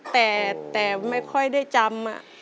แต่ไม่ค่อยได้จำ